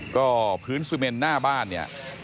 ก็พื้นซูเมนหน้าบ้านเนี่ย